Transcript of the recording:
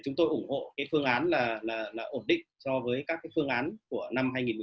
chúng tôi ủng hộ phương án là ổn định so với các phương án của năm hai nghìn một mươi chín